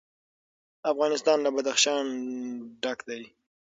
افغانستان له بدخشان ډک دی.